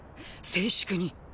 静粛に。